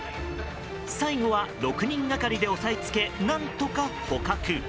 最後は６人がかりで押さえつけ何とか捕獲。